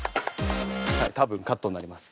はい多分カットになります。